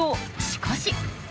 しかし。